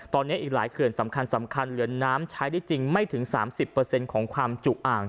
ตอนนี้อีกหลายเขื่อนสำคัญเหลือน้ำใช้ได้จริงไม่ถึง๓๐ของความจุอ่าง